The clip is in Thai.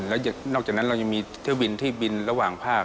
แล้วนอกจากนั้นเรายังมีเที่ยวบินที่บินระหว่างภาค